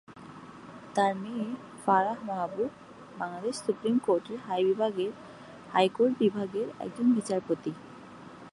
তার মেয়ে ফারাহ মাহবুব বাংলাদেশ সুপ্রিম কোর্টের হাইকোর্ট বিভাগের একজন বিচারপতি।